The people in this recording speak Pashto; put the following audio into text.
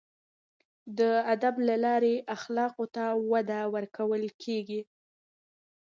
د ادب له لارې اخلاقو ته وده ورکول کیږي.